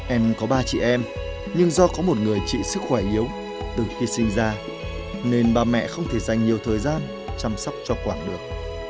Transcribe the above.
em có ba chị em nhưng do có một người trị sức khỏe yếu từ khi sinh ra nên bà mẹ không thể dành nhiều thời gian chăm sóc cho quảng được